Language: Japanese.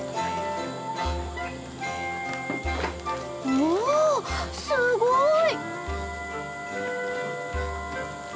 おおすごい！